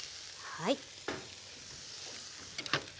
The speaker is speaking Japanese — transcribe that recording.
はい。